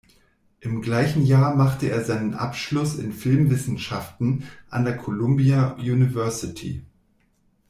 Im gleichen Jahr machte er seinen Abschluss in Filmwissenschaften an der Columbia University.